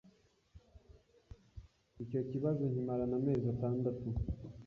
icyo kibazo nkimarana amezi atandatu